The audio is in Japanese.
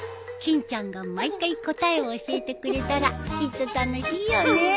欽ちゃんが毎回答えを教えてくれたらきっと楽しいよね。